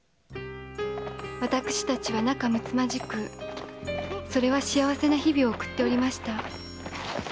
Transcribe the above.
私達は仲むつまじくそれは幸せな日々を送っておりました。